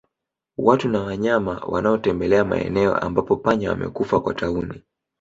Watu na wanyama wanaotembelea maeneo ambapo panya wamekufa kwa tauni